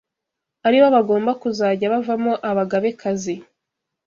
aribo bagomba kuzajya bavamo Abagabekazi